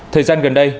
thời gian gần đây